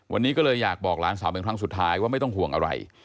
วันนี้ก็เลยอยากบอกหลานสาวเป็นครั้งสุดท้ายว่าไม่ต้องห่วงอะไร